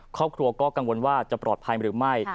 ครอบครัวก็กังวลว่าจะปลอดภัยหรือไม่